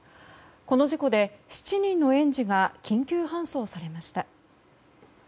この事故で７人の園児が緊急搬送されました。